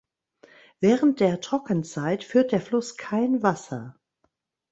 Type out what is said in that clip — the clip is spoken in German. Während der Trockenzeit führt der Fluss kein Wasser.